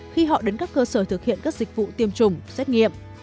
khi họ đến các cơ sở thực hiện các dịch vụ tiêm chủng xét nghiệm